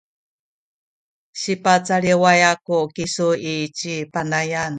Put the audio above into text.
sipicaliway aku kisu i ci Panayan